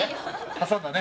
挟んだね